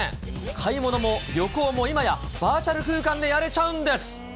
買い物も旅行も今や、バーチャル空間でやれちゃうんです。